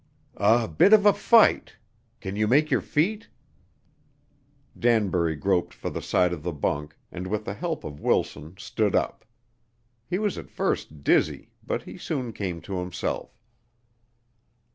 "A bit of a fight. Can you make your feet?" Danbury groped for the side of the bunk, and with the help of Wilson stood up. He was at first dizzy, but he soon came to himself.